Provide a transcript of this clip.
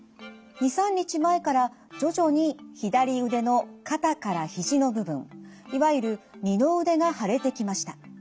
２３日前から徐々に左腕の肩から肘の部分いわゆる二の腕が腫れてきました。